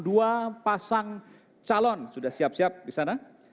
dua pasang calon sudah siap siap disana